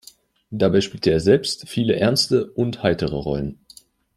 Dabei spielte er selbst viele ernste und heitere Rollen.